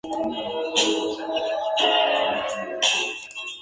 La ciudad sufrió diversas ocupaciones.